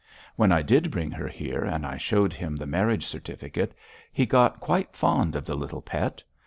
When I did bring her here, and I showed him the marriage certificate, he got quite fond of the little pet.